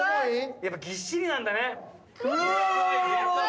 やっぱぎっしりなんだね。